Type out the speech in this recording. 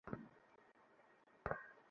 তার স্বামী বাইক থেকে পড়ে গিয়েছে।